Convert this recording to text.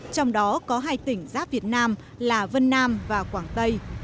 trong đó có hai tỉnh giáp việt nam là vân nam và quảng tây